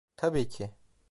Tabii ki!